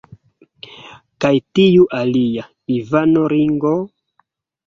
Kaj tiu alia, Ivano Ringo?